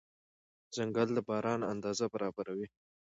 ځنګل د باران اندازه برابروي.